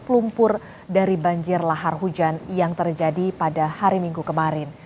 lumpur dari banjir lahar hujan yang terjadi pada hari minggu kemarin